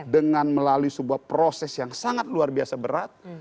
dengan melalui sebuah proses yang sangat luar biasa berat